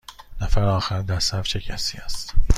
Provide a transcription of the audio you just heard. نفر آخر در صف چه کسی است؟